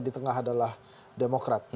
di tengah adalah demokrat